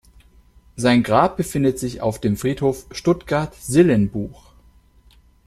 Sein Grab befindet sich auf dem Friedhof Stuttgart-Sillenbuch.